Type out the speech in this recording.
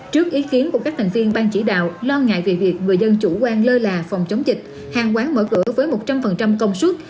trước ý kiến của các thành viên ban chỉ đạo lo ngại về việc người dân chủ quan lơ là phòng chống dịch hàng quán mở cửa với một trăm linh công suất